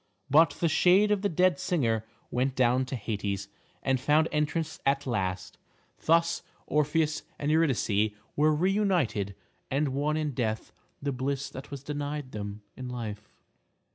But the shade of the dead singer went down to Hades, and found entrance at last. Thus Orpheus and Eurydice were re united, and won in death the bliss that was denied them in life.